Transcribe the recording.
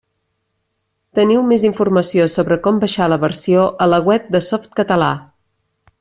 Teniu més informació sobre com baixar la versió a la web de Softcatalà.